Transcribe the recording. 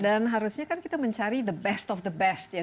dan harusnya kan kita mencari the best of the best ya